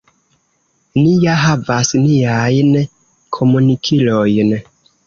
Ni ja havas niajn komunikilojn.